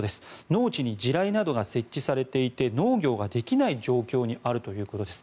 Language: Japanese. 農地に地雷などが設置されていて農業ができない状況にあるということです。